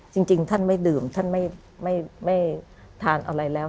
จริงท่านไม่ดื่มท่านไม่ทานอะไรแล้ว